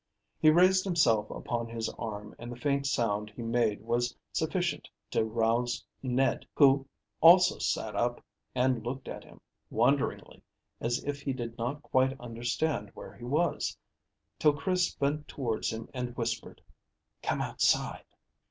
He raised himself upon his arm, and the faint sound he made was sufficient to rouse Ned, who also sat up, and looked at him wonderingly, as if he did not quite understand where he was, till Chris bent towards him and whispered "Come outside."